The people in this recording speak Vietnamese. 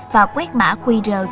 và quét mã qr